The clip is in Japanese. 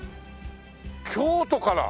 京都から！？